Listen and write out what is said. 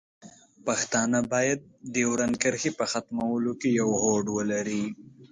پښتانه باید د ډیورنډ کرښې په ختمولو کې یو هوډ ولري.